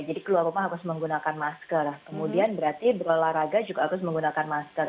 jadi keluar rumah harus menggunakan masker kemudian berarti berolahraga juga harus menggunakan masker